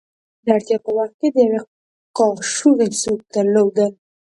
د اړتیا په وخت کې د یوې کاشوغې سوپ درلودل.